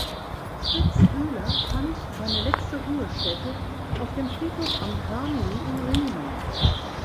Fritz Bühler fand seine letzte Ruhestätte auf dem Friedhof am Hörnli in Riehen.